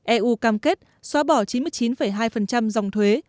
eu cam kết xóa bỏ chín mươi chín hai dòng thuế